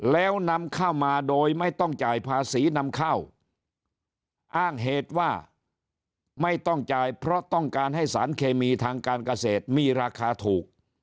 แล้วนำเข้ามาโดยไม่ต้องจ่ายภาษีนำเข้าอ้างเหตุว่าไม่ต้องจ่ายเพราะต้องการให้สารเคมีทางการเกษตรมีราคาถูก